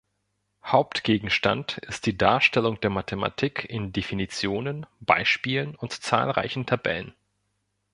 Hauptgegenstand ist die Darstellung der Mathematik in Definitionen, Beispielen und zahlreichen Tabellen.